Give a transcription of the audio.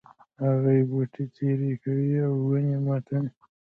هغوی بوټي څیري کوي او ونې ماتوي